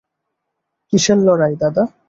কিসের লড়াই দাদা?